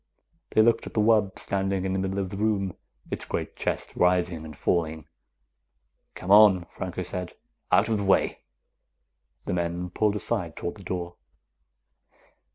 They looked at the wub, standing in the middle of the room, its great chest rising and falling. "Come on," Franco said. "Out of the way." The men pulled aside toward the door.